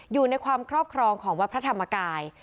อยู่ในความครอบครองของวัดพระธรรมกาย